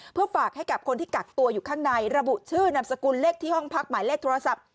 เพื่อฝากให้กับคนที่กักตัวอยู่ข้างในระบุชื่อนามสกุลเลขที่ห้องพักหมายเลขโทรศัพท์